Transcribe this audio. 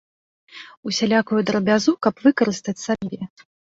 Усялякую драбязу каб выкарыстаць сабе.